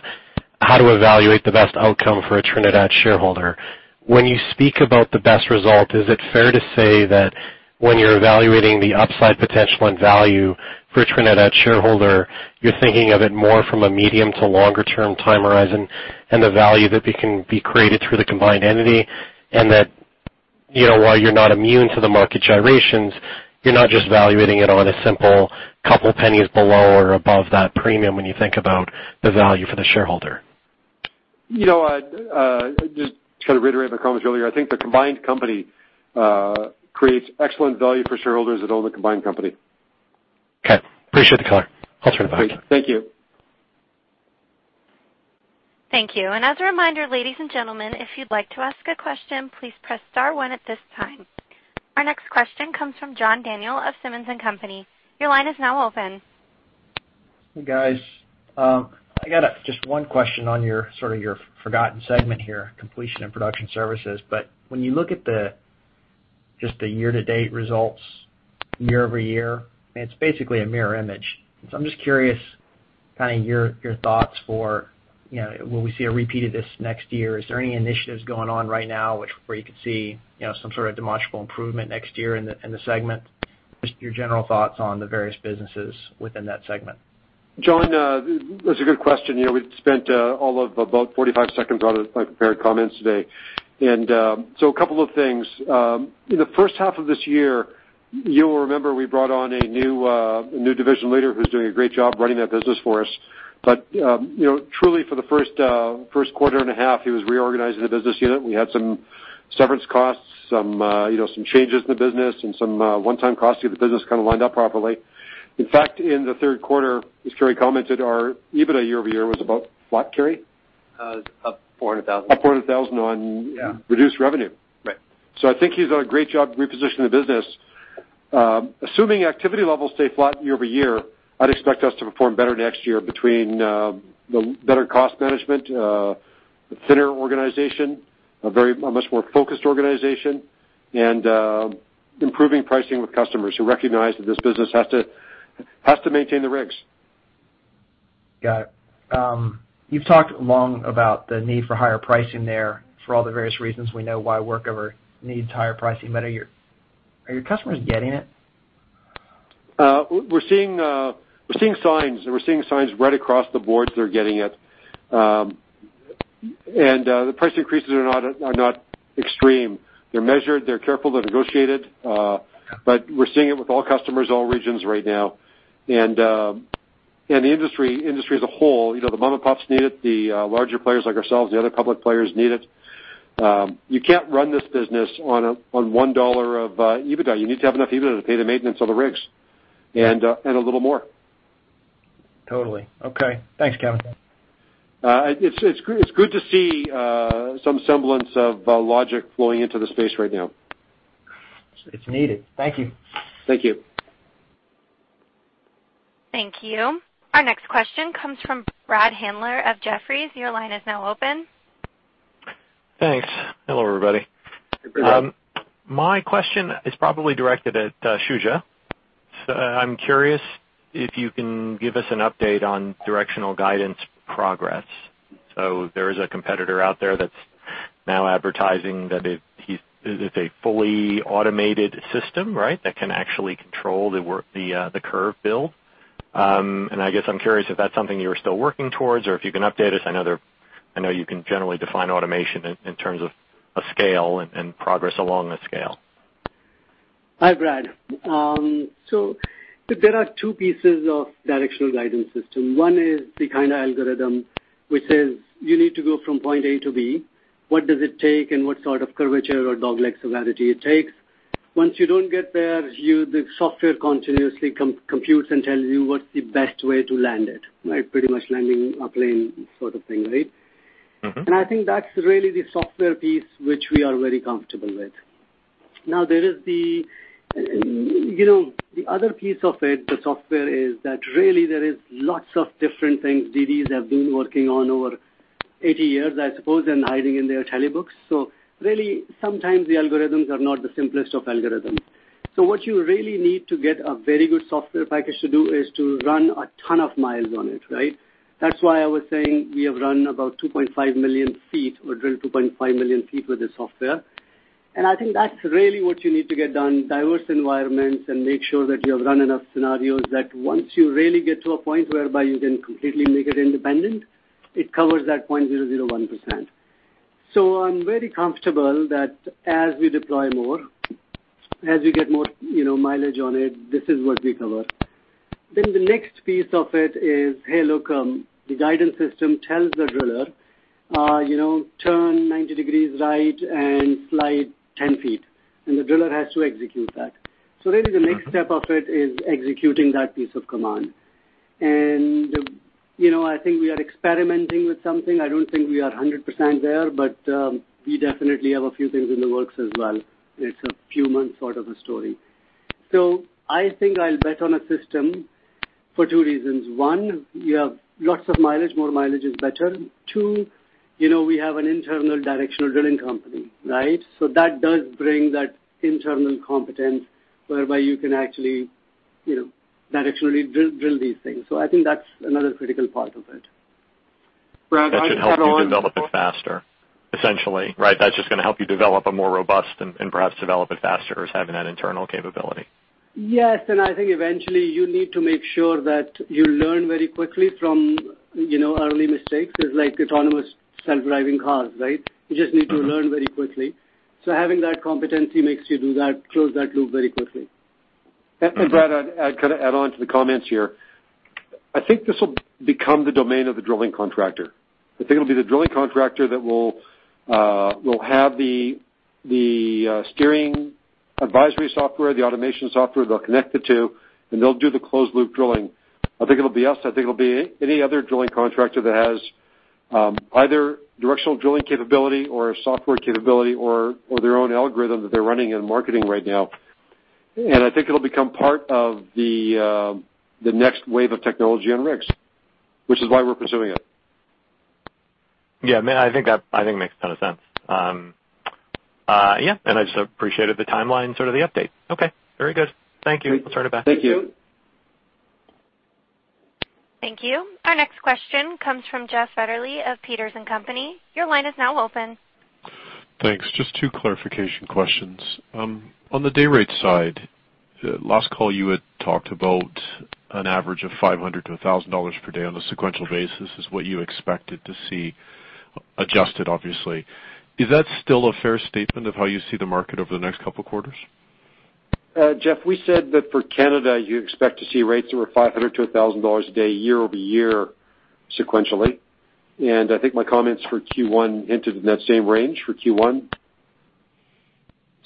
how to evaluate the best outcome for a Trinidad shareholder. When you speak about the best result, is it fair to say that when you're evaluating the upside potential and value for a Trinidad shareholder, you're thinking of it more from a medium to longer term time horizon and the value that can be created through the combined entity, and that while you're not immune to the market gyrations, you're not just evaluating it on a simple couple pennies below or above that premium when you think about the value for the shareholder? Just to reiterate my comments earlier, I think the combined company creates excellent value for shareholders that own the combined company. Okay. Appreciate the color. I'll turn it back. Thank you. Thank you. As a reminder, ladies and gentlemen, if you'd like to ask a question, please press star one at this time. Our next question comes from John Daniel of Simmons & Company. Your line is now open. Hey, guys. I got just one question on your forgotten segment here, Completion and Production services. When you look at just the year-to-date results year-over-year, it's basically a mirror image. I'm just curious your thoughts for will we see a repeat of this next year? Is there any initiatives going on right now where you could see some sort of demonstrable improvement next year in the segment? Just your general thoughts on the various businesses within that segment. John, that's a good question. We've spent all of about 45 seconds on my prepared comments today. A couple of things. In the first half of this year, you'll remember we brought on a new division leader who's doing a great job running that business for us. But truly for the first quarter and a half, he was reorganizing the business unit. We had some severance costs, some changes in the business, and some one-time costs, so the business kind of lined up properly. In fact, in the third quarter, as Carey commented, our EBITDA year-over-year was about what, Carey? Up 400,000. Up 400,000 on Yeah reduced revenue. Right. I think he's done a great job repositioning the business. Assuming activity levels stay flat year-over-year, I'd expect us to perform better next year between the better cost management, thinner organization, a much more focused organization, and improving pricing with customers who recognize that this business has to maintain the rigs. Got it. You've talked long about the need for higher pricing there for all the various reasons we know why workover needs higher pricing, but are your customers getting it? We're seeing signs right across the board they're getting it. The price increases are not extreme. They're measured, they're careful, they're negotiated. We're seeing it with all customers, all regions right now. The industry as a whole, the mom and pops need it, the larger players like ourselves, the other public players need it. You can't run this business on 1 dollar of EBITDA. You need to have enough EBITDA to pay the maintenance on the rigs and a little more. Totally. Okay. Thanks, Kevin. It's good to see some semblance of logic flowing into the space right now. It's needed. Thank you. Thank you. Thank you. Our next question comes from Brad Handler of Jefferies. Your line is now open. Thanks. Hello, everybody. Hey, Brad. My question is probably directed at Shuja. I'm curious if you can give us an update on directional guidance progress. There is a competitor out there that's now advertising that it's a fully automated system, right? That can actually control the curve build. I guess I'm curious if that's something you are still working towards, or if you can update us. I know you can generally define automation in terms of scale and progress along the scale. Hi, Brad. There are two pieces of directional guidance system. One is the kind of algorithm which says you need to go from point A to B. What does it take and what sort of curvature or dogleg severity it takes. Once you don't get there, the software continuously computes and tells you what's the best way to land it, right? Pretty much landing a plane sort of thing, right? I think that's really the software piece which we are very comfortable with. The other piece of it, the software is that really there is lots of different things DDs have been working on over 80 years, I suppose, and hiding in their tally books. Sometimes the algorithms are not the simplest of algorithm. What you really need to get a very good software package to do is to run a ton of miles on it, right? That's why I was saying we have run about 2.5 million feet or drilled 2.5 million feet with the software. I think that's really what you need to get done, diverse environments and make sure that you have run enough scenarios that once you really get to a point whereby you can completely make it independent, it covers that 0.001%. I'm very comfortable that as we deploy more, as we get more mileage on it, this is what we cover. The next piece of it is, hey, look, the guidance system tells the driller, turn 90 degrees right and slide 10 feet. The driller has to execute that. The next step of it is executing that piece of command. I think we are experimenting with something. I don't think we are 100% there, but we definitely have a few things in the works as well. It's a few months sort of a story. I think I'll bet on a system for two reasons. One, you have lots of mileage, more mileage is better. Two, we have an internal directional drilling company, right? That does bring that internal competence whereby you can actually directionally drill these things. I think that's another critical part of it. Brad, I'll just add on- That should help you develop it faster, essentially, right? That's just going to help you develop a more robust and perhaps develop it faster is having that internal capability. Yes. I think eventually you need to make sure that you learn very quickly from early mistakes. It's like autonomous self-driving cars, right? You just need to learn very quickly. Having that competency makes you close that loop very quickly. Brad, I'd add on to the comments here. I think this will become the domain of the drilling contractor. I think it'll be the drilling contractor that will have the steering advisory software, the automation software they'll connect the two, and they'll do the closed loop drilling. I think it'll be us. I think it'll be any other drilling contractor that has either directional drilling capability or software capability or their own algorithm that they're running and marketing right now. I think it'll become part of the next wave of technology on rigs, which is why we're pursuing it. Yeah, I think that makes a ton of sense. Yeah. I just appreciated the timeline, sort of the update. Okay, very good. Thank you. I'll turn it back. Thank you. Thank you. Our next question comes from Jeff Fetterly of Peters & Co.. Your line is now open. Thanks. Just two clarification questions. On the day rate side, last call you had talked about an average of 500-1,000 dollars per day on a sequential basis is what you expected to see, adjusted obviously. Is that still a fair statement of how you see the market over the next couple of quarters? Jeff, we said that for Canada you expect to see rates over 500-1,000 dollars a day year-over-year sequentially. I think my comments for Q1 entered in that same range for Q1.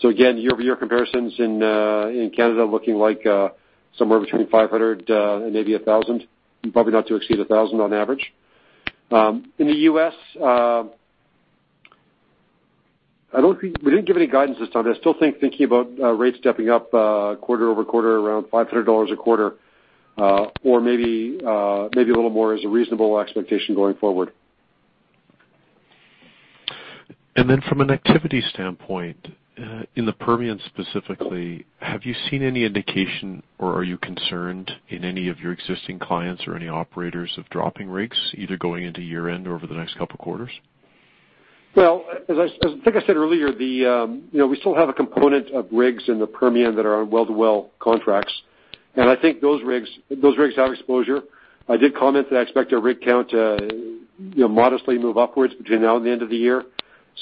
Again, year-over-year comparisons in Canada looking like somewhere between 500 and maybe 1,000, probably not to exceed 1,000 on average. In the U.S., we didn't give any guidance this time. I still think thinking about rates stepping up quarter-over-quarter around 500 dollars a quarter or maybe a little more is a reasonable expectation going forward. From an activity standpoint, in the Permian specifically, have you seen any indication or are you concerned in any of your existing clients or any operators of dropping rigs, either going into year-end or over the next couple quarters? I think I said earlier, we still have a component of rigs in the Permian that are on well-to-well contracts, and I think those rigs have exposure. I did comment that I expect our rig count to modestly move upwards between now and the end of the year.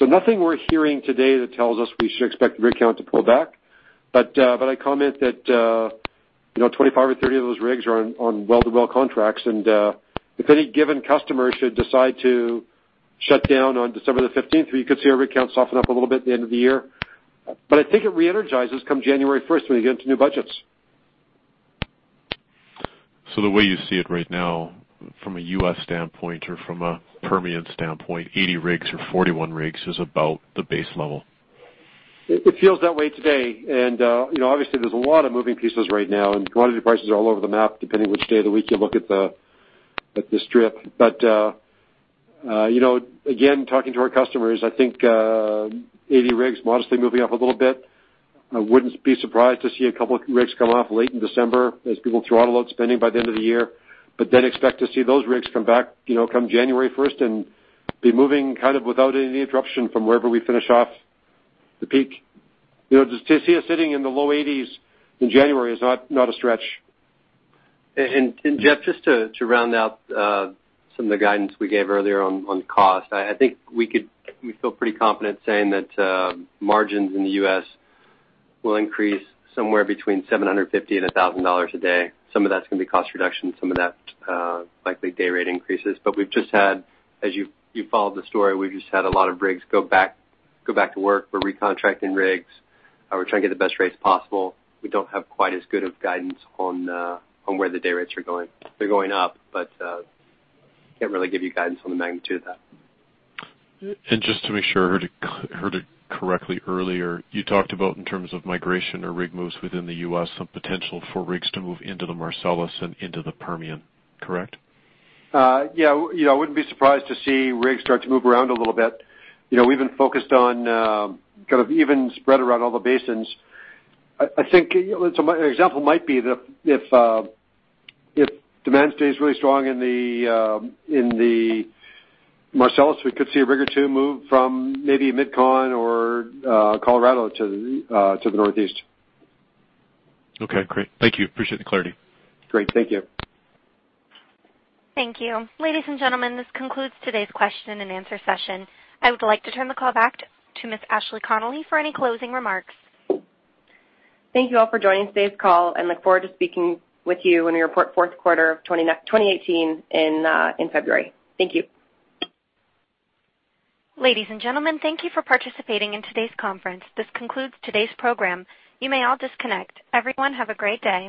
Nothing we're hearing today that tells us we should expect the rig count to pull back. I comment that 25 or 30 of those rigs are on well-to-well contracts, and if any given customer should decide to shut down on December 15th, we could see our rig count soften up a little bit at the end of the year. I think it reenergizes come January 1st when we get into new budgets. The way you see it right now from a U.S. standpoint or from a Permian standpoint, 80 rigs or 41 rigs is about the base level. It feels that way today. Obviously there's a lot of moving pieces right now, and commodity prices are all over the map depending on which day of the week you look at the strip. Again, talking to our customers, I think 80 rigs modestly moving up a little bit. I wouldn't be surprised to see a couple of rigs come off late in December as people throttle out spending by the end of the year. Expect to see those rigs come back come January 1st and be moving kind of without any interruption from wherever we finish off the peak. To see us sitting in the low 80s in January is not a stretch. Jeff, just to round out some of the guidance we gave earlier on cost, I think we feel pretty confident saying that margins in the U.S. will increase somewhere between $750 and $1,000 a day. Some of that's going to be cost reduction, some of that likely day rate increases. We've just had, as you followed the story, we've just had a lot of rigs go back to work. We're recontracting rigs. We're trying to get the best rates possible. We don't have quite as good of guidance on where the day rates are going. They're going up, but can't really give you guidance on the magnitude of that. Just to make sure I heard it correctly earlier, you talked about in terms of migration or rig moves within the U.S., some potential for rigs to move into the Marcellus and into the Permian, correct? Yeah. I wouldn't be surprised to see rigs start to move around a little bit. We've been focused on kind of even spread around all the basins. I think an example might be that if demand stays really strong in the Marcellus, we could see a rig or two move from maybe MidCon or Colorado to the Northeast. Okay, great. Thank you. Appreciate the clarity. Great. Thank you. Thank you. Ladies and gentlemen, this concludes today's question and answer session. I would like to turn the call back to Ms. Ashley Connolly for any closing remarks. Thank you all for joining today's call. Look forward to speaking with you when we report fourth quarter of 2018 in February. Thank you. Ladies and gentlemen, thank you for participating in today's conference. This concludes today's program. You may all disconnect. Everyone, have a great day.